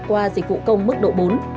qua dịch vụ công mức độ bốn